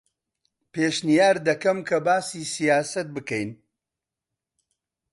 پێشنیار دەکەم کە باسی سیاسەت بکەین.